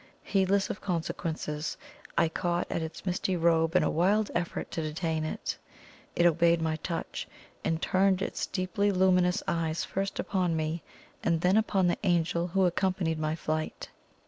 Heedless of consequences, I caught at its misty robe in a wild effort to detain it. It obeyed my touch, and turned its deeply luminous eyes first upon me, and then upon the Angel who accompanied my flight.